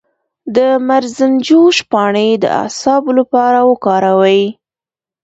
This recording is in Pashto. د مرزنجوش پاڼې د اعصابو لپاره وکاروئ